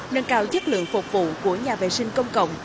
nâng cao chất lượng phục vụ của nhà vệ sinh công cộng